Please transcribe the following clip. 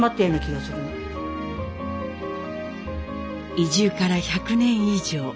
移住から１００年以上。